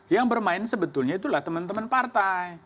yang bermain sebetulnya itulah teman teman partai